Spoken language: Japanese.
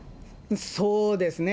そうですね。